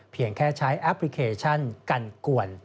เพียงแค่ใช้แอปพลิเคชันกันกวน